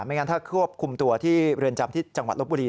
งั้นถ้าควบคุมตัวที่เรือนจำที่จังหวัดลบบุรี